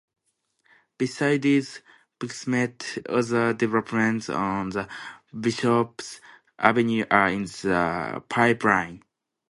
Besides Buxmead, other developments on The Bishops Avenue are in the pipeline.